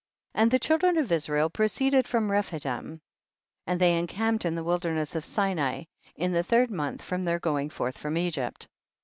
And the children of Israel pro ceeded from Rephidim and they en camped in ihe wilderness of Sinai, in the third month from their going forth from Egypt.